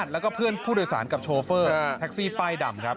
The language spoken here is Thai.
แล้วก็เพื่อนผู้โดยสารกับโชเฟอร์แท็กซี่ป้ายดำครับ